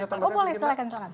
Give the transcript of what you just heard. oh boleh silahkan